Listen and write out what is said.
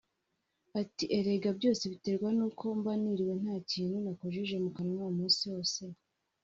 Ati “ Erega byose biterwa n’uko mba niriwe nta kintu nakojeje mu kanwa umunsi wose